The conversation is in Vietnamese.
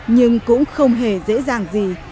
nhưng cũng không hề dễ dàng gì